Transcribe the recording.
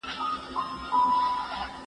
زه کولای سم ليکنې وکړم!!